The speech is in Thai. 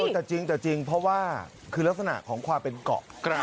แต่จริงแต่จริงเพราะว่าคือลักษณะของความเป็นเกาะ